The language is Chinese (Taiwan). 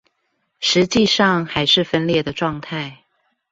實際上還是分裂的狀態